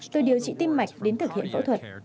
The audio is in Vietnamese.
từ điều trị tim mạch đến thực hiện phẫu thuật